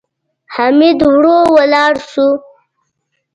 حميد ورو ولاړ شو.